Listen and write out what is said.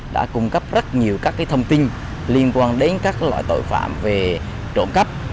đã cung cấp rất nhiều thông tin liên quan đến các loại tội phạm về trộn cấp